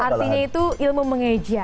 artinya itu ilmu mengeja